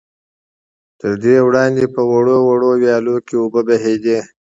تر دې وړاندې په وړو وړو ويالو کې اوبه بهېدې.